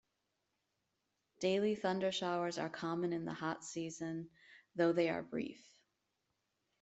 Daily thundershowers are common in the hot season, though they are brief.